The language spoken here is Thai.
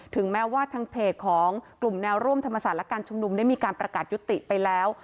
ถึงแม้ว่าทางเพจของกลุ่มแนวร่วมธรรมศาสตร์และการชุมนุมได้มีการประกาศยุติไปแล้ว